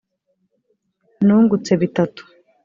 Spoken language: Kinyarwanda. Nungutse bitatu